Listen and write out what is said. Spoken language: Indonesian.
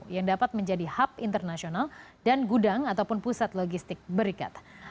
yang dapat menjadi hub internasional dan gudang ataupun pusat logistik berikat